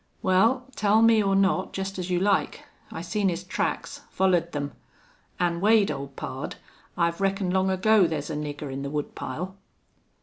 "Wal, tell me or not, jest as you like. I seen his tracks follered them. An' Wade, old pard, I've reckoned long ago thar's a nigger in the wood pile."